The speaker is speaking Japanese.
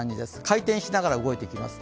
回転しながら動いてきます。